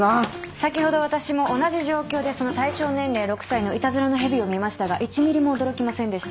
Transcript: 先ほど私も同じ状況でその対象年齢６歳のいたずらの蛇を見ましたが１ｍｍも驚きませんでした。